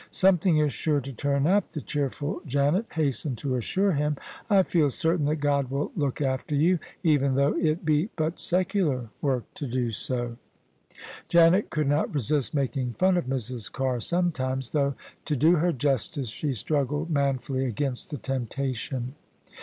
" Something is sure to turn up," the cheerful Janet hastened to assure him. " I feel certain that God will look after you, even though it be but secular work to do so." OF ISABEL CARNABY Janet could not resist making fun of Mrs. Carr sometimes, though to do her justice she struggled manfully against the temptation.